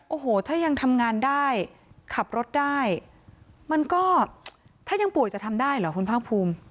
โอ้โหถ้ายังทำงานได้ขับรถได้มันก็ถ้ายังป่วยจะทำได้เหรอคุณภาคภูมิ